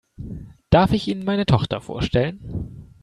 Darf ich Ihnen meine Tochter vorstellen?